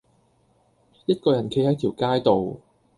一個人企喺條街度